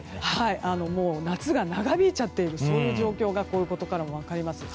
夏が長引いているそういう状況がこういうことからも分かります。